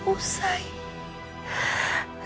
so yang syaitan